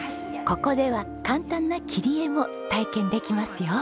ここでは簡単な切り絵も体験できますよ。